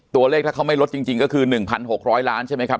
ตัวเลขถ้าเขาไม่ลดจริงจริงก็คือหนึ่งพันหกร้อยล้านใช่ไหมครับ